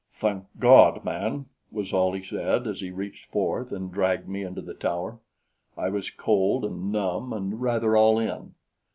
"Thank God, man!" was all he said as he reached forth and dragged me into the tower. I was cold and numb and rather all in.